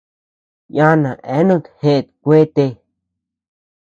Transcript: Yana eanut jeʼët kuete.